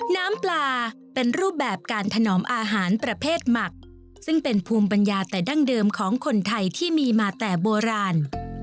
น้ำปลาเป็นรูปแบบการถนอมอาหารประเภทหมักซึ่งเป็นภูมิปัญญาแต่ดั้งเดิมของคนไทยที่มีมาแต่โบราณ